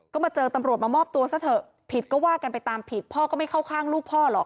ก็มาเจอตำรวจมามอบตัวซะเถอะผิดก็ว่ากันไปตามผิดพ่อก็ไม่เข้าข้างลูกพ่อหรอก